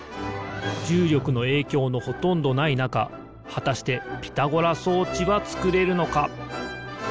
じゅうりょくのえいきょうのほとんどないなかはたしてピタゴラそうちはつくれるのか？